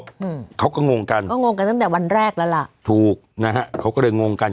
อืมเขาก็งงกันก็งงกันตั้งแต่วันแรกแล้วล่ะถูกนะฮะเขาก็เลยงงกัน